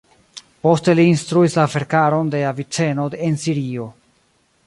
Poste li instruis la verkaron de Aviceno en Sirio.